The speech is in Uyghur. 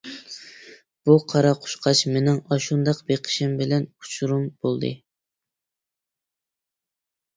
بۇ قارا قۇشقاچ مېنىڭ ئاشۇنداق بېقىشىم بىلەن ئۇچۇرۇم بولدى.